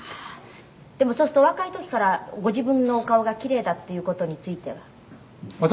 「でもそうするとお若い時からご自分のお顔が奇麗だっていう事については」「私？